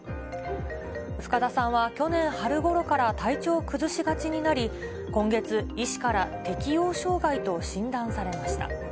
深田さんは去年春ごろから体調を崩しがちになり、今月、医師から適応障害と診断されました。